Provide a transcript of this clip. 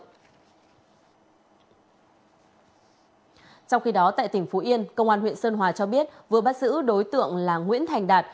trong khi đó tại tỉnh phú yên công an huyện sơn hòa cho biết vừa bắt giữ đối tượng là nguyễn thành đạt